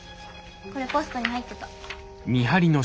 これポストに入ってた。